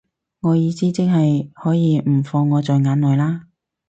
你意思即係可以唔放我在眼內啦